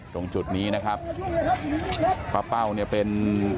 ตรงจุดนี้นะครับป้าเป้าเนี่ยเป็น